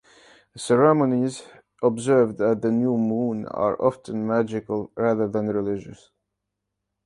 The ceremonies observed at the new moon are often magical rather than religious.